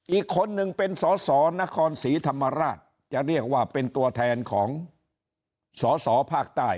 อีกคนหนึ่งเป็นสสนครศรีธรรมราชจะเรียกว่าเป็นตัวแทนของสอสอภาคใต้